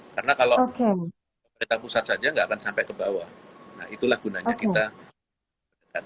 karena kalau kita pusat saja tidak akan sampai ke bawah nah itulah gunanya kita